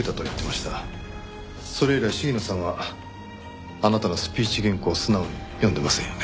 それ以来鴫野さんはあなたのスピーチ原稿を素直に読んでいませんよね。